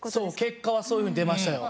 結果はそういうふうに出ましたよ。